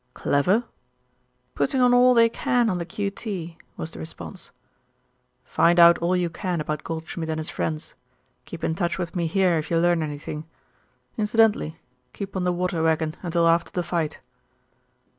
"Clever?" "Putting on all they can on the Q.T.," was the response. "Find out all you can about Goldschmidt and his friends. Keep in touch with me here if you learn anything. Incidentally, keep on the water wagon until after the fight."